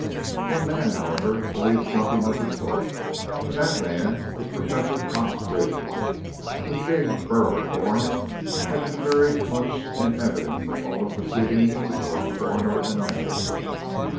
One man, however, believed nothing of the sort, and that man was Professor Cox Raythwaite. His big, burly form had been very much in evidence at all the proceedings before coroner and magistrate.